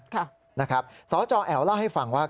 ค่ะนะครับสจแอ๋วเล่าให้ฟังว่า